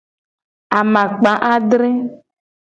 Amakpa adre.